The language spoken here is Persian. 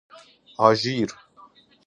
آژیر